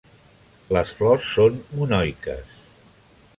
Les flors són monoiques.